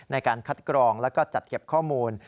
ในการคัดกรองแล้วก็จัดเก็บข้อมูล